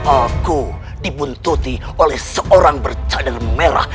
aku dibuntuti oleh seorang bercadar merah